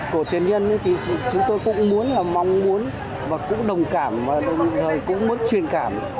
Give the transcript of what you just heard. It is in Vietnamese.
của tiền nhân thì chúng tôi cũng muốn là mong muốn và cũng đồng cảm và đồng thời cũng muốn truyền cảm